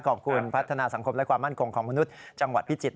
ขอบคุณพัฒนาสังคมและความมั่นคงของมนุษย์จังหวัดพิจิตร